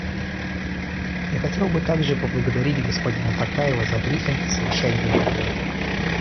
Я хотел бы также поблагодарить господина Токаева за брифинг о совещании в Нью-Йорке.